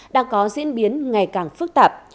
đang có diễn biến ngày càng phức tạp